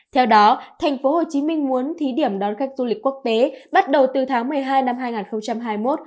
theo đó thành phố hồ chí minh muốn thí điểm đón khách du lịch quốc tế bắt đầu từ tháng một mươi hai năm hai nghìn hai mươi một